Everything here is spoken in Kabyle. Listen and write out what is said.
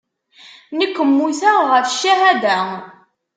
Nekk mmuteɣ ɣef ccahada.